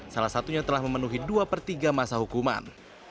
salah satunya telah memenuhi dua per tiga masa hukuman